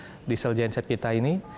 ini adalah diesel genset kita ini